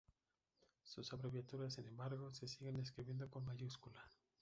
Sus abreviaturas, sin embargo, se siguen escribiendo con mayúscula.